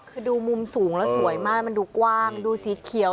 คือดูมุมสูงแล้วสวยมากมันดูกว้างดูสีเขียว